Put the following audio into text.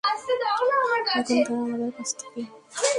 এখন তাঁরা আমাদের কাছ থেকে মুখ ফিরিয়ে নিয়ে সহিংস ঘটনার ইন্ধন জুগিয়েছেন।